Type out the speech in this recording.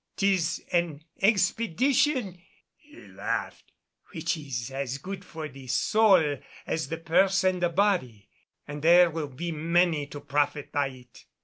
'Tis an expedition," he laughed, "which is as good for the soul as the purse and the body, and there will be many to profit by it.